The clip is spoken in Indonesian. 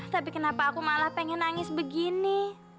tapi kenapa aku malah pengen nangis begini